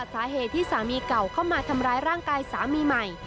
สาเหตุที่สามีเก่าเข้ามาทำร้ายร่างกายสามีใหม่